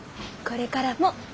これからも。